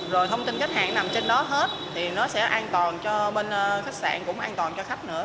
rồi thông tin khách hàng nằm trên đó hết thì nó sẽ an toàn cho bên khách sạn cũng an toàn cho khách nữa